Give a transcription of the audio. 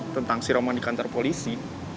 tentang si roman di kantor polisi